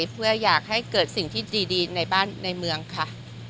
เพื่ออยากให้เกิดสิ่งที่ดีในบ้านในเมืองค่ะ